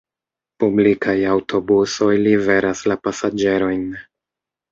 Publikaj aŭtobusoj liveras la pasaĝerojn.